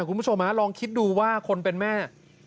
คุณผู้ชมลองคิดดูว่าคนเป็นแม่